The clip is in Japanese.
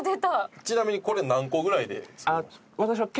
ちなみにこれ何個ぐらいで作りました？